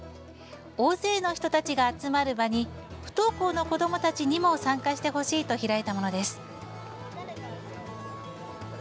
大勢の人たちが集まる場に不登校の子どもたちにも参加してほしいと開いたものです。